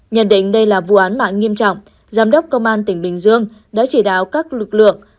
nhận định đây là vụ án mạng nghiêm trọng giám đốc công an tỉnh bình dương đã chỉ đạo các lực lượng